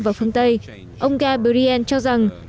và phương tây ông gabriel cho rằng